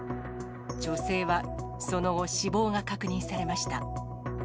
女性はその後、死亡が確認されました。